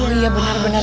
oh iya benar benar